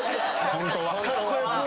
「ホントは」